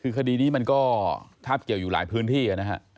คือคดีนี้มันก็คาบเกี่ยวอยู่หลายพื้นที่นะฮะ